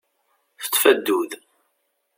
Teṭṭef addud.